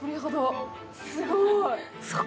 すごい！